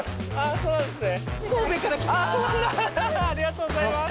ありがとうございます。